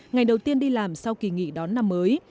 ngày đầu tiên đi làm sau kỳ nghỉ đón năm mới